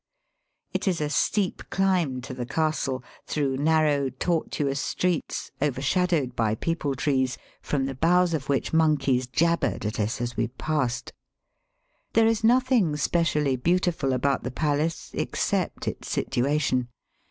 It is a steep climb to the castle, through narrow tortuous streets, overshadowed by peepul trees, from the boughs of which monkeys jabbered at us as we passed. There is nothing specially beautiful about the palace except its situation.